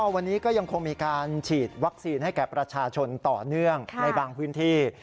วันนี้ก็ยังคงมีการฉีดวัคซีนให้แก่ประชาชนต่อเนื่องในบางพื้นที่